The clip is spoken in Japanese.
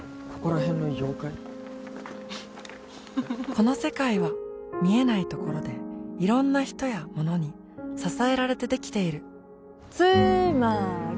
この世界は見えないところでいろんな人やものに支えられてできているつーまーり！